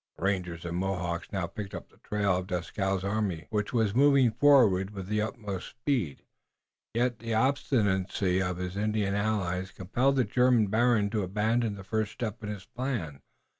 The rangers and Mohawks now picked up the trail of Dieskau's army, which was moving forward with the utmost speed. Yet the obstinacy of his Indian allies compelled the German baron to abandon the first step in his plan.